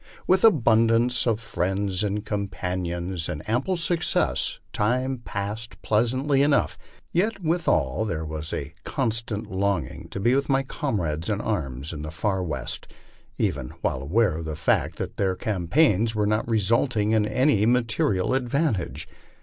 With abundance of friends and companions, and ample success, time passed pleasantly enough ; yet withal there was a con stant longing to be with my comrades in arms in the far West, even while aware of the fact that their campaign was not resulting in any material advan LIFE ON THE PLAIXS. 125 tage.